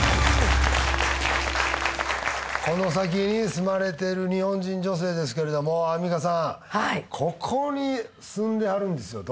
この先に住まれてる日本人女性ですけれどもアンミカさんここに住んではるんですよ